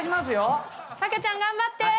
タケちゃん頑張って！